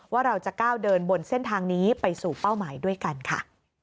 ว่าเราจะก้าวเดินบนเส้นทางนี้ไปสู่เป้าหมายด้วยกันค่ะ